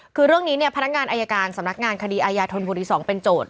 คือเรื่องนี้เนี่ยพนักงานอายการสำนักงานคดีอายาธนบุรี๒เป็นโจท